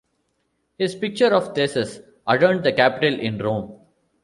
His picture of Theseus adorned the Capitol in Rome.